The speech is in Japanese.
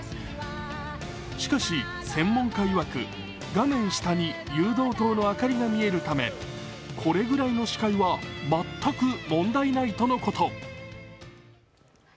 しかし専門家いわく、画面下に誘導灯の明かりが見えるためこれぐらいの視界は全く問題ないとのこと。